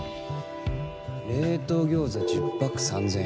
冷凍餃子１０パック３０００円。